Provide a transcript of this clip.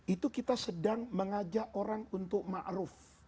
itu kita sedang mengajak orang untuk ma'ruf